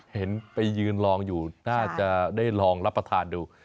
เห็นไปยืนลองอยู่น่าจะได้ลองรับประทานดู